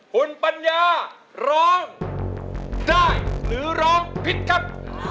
คุณปัญญาร้องได้หรือร้องผิดครับ